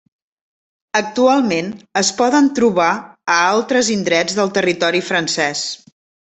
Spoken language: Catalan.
Actualment es poden trobar a altres indrets del territori francès.